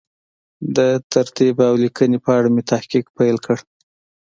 د ترتیب او لیکنې په اړه مې تحقیق پیل کړ.